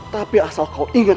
tapi asal kau ingat